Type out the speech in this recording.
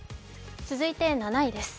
続いて７位です。